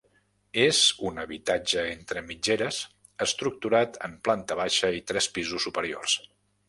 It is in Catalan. És un habitatge entre mitgeres estructurat en planta baixa i tres pisos superiors.